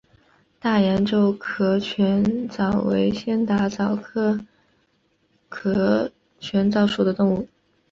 大洋洲壳腺溞为仙达溞科壳腺溞属的动物。